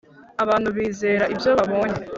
abantu bizera ibyo babonye